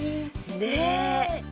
ねえ。